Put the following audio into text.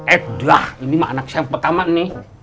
eh drah ini mah anak saya yang pertama nih